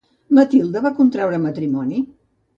Mathilde va contraure matrimoni?